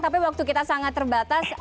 tapi waktu kita sangat terbatas